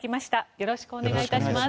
よろしくお願いします。